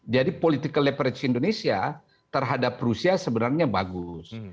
jadi political leverage indonesia terhadap rusia sebenarnya bagus